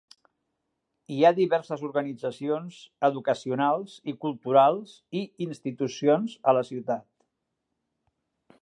Hi ha diverses organitzacions educacionals i culturals i institucions a la ciutat.